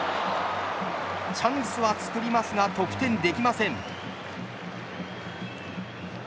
チャンスは作りますが得点できません。